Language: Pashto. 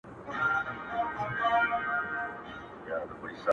چي ورته ځېر سومه~